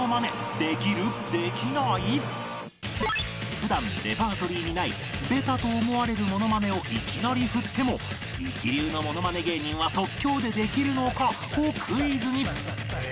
普段レパートリーにないベタと思われるものまねをいきなり振っても一流のものまね芸人は即興でできるのか？をクイズに